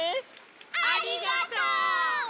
ありがとう！